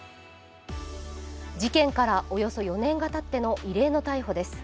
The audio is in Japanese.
事件からおよそ４年がたっての異例の逮捕です。